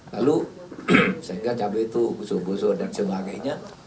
lalu sehingga cabai itu busuk busuk dan sebagainya